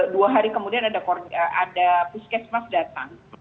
dua hari kemudian ada puskesmas datang